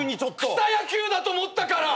草野球だと思ったから。